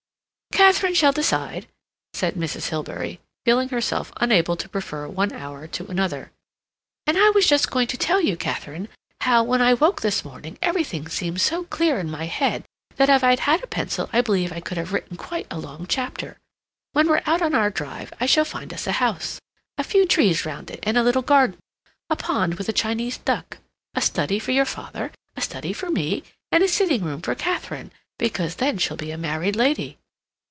"Katharine shall decide," said Mrs. Hilbery, feeling herself unable to prefer one hour to another. "And I was just going to tell you, Katharine, how, when I woke this morning, everything seemed so clear in my head that if I'd had a pencil I believe I could have written quite a long chapter. When we're out on our drive I shall find us a house. A few trees round it, and a little garden, a pond with a Chinese duck, a study for your father, a study for me, and a sitting room for Katharine, because then she'll be a married lady."